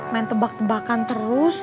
main tebak tebakan terus